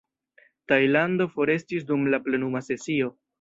Tajlando forestis dum la plenuma sesio.